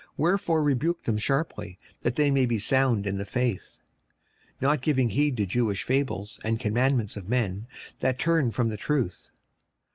Wherefore rebuke them sharply, that they may be sound in the faith; 56:001:014 Not giving heed to Jewish fables, and commandments of men, that turn from the truth.